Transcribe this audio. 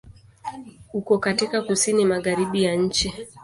Uko katika Kusini Magharibi ya nchi.